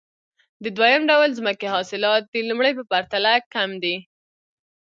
د دویم ډول ځمکې حاصلات د لومړۍ په پرتله کم دي